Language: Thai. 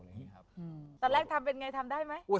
ตอนแรกทำเป็นไงทำได้ไหม